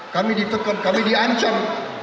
kami ditekan kami diancam